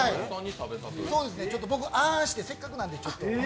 あーんして、せっかくなんで。